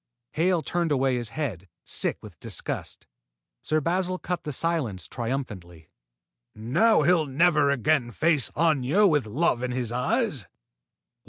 Hale turned away his head, sick with disgust. Sir Basil cut the silence triumphantly: "Now he'll never again face Aña with love in his eyes!"